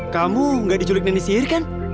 kamu nggak diculik nenek sihir kan